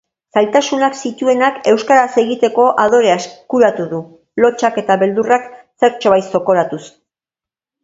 Zailtasunak zituenak euskaraz egiteko adorea eskuratu du, lotsak eta beldurrak zertxobait zokoratuz.